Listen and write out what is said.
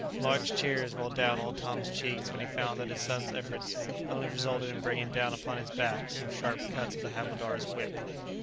Large tears rolled down old Tom's cheeks when he found that his son's efforts only resulted in bringing down upon his back some sharp cuts of the havildar's whip.